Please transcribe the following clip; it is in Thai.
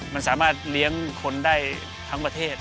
มันสามารถเลี้ยงคนได้ทั้งประเทศ